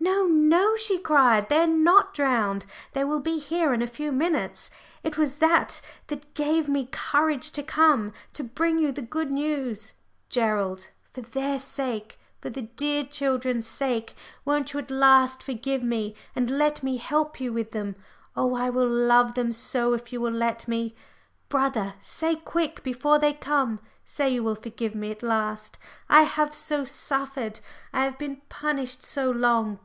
"No, no," she cried, "they are not drowned. They will be here in a few minutes. It was that gave me courage to come to bring you the good news. Gerald, for their sake, for the dear children's sake, won't you at last forgive me and let me help you with them? Oh, I will love them so if you will let me. Brother, say quick before they come say you will forgive me at last. I have so suffered, I have been punished so long.